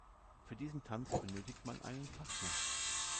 Für diesen Tanz benötigt man einen Partner.